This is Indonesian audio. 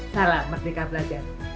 salam merdeka belajar